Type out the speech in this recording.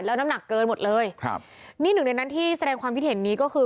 แล้วน้ำหนักเกินหมดเลยครับนี่หนึ่งในนั้นที่แสดงความคิดเห็นนี้ก็คือ